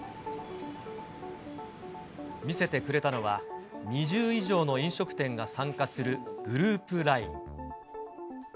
見せてくれたのは、２０以上の飲食店が参加するグループＬＩＮＥ。